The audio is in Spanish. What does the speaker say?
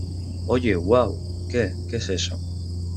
¡ Oye! ¡ uau !¿ qué? ¿ qué es eso ?